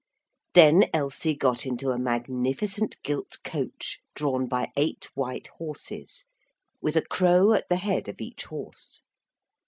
Then Elsie got into a magnificent gilt coach, drawn by eight white horses, with a crow at the head of each horse.